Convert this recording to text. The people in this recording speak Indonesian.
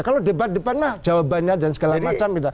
kalau debat depan nah jawabannya dan segala macam gitu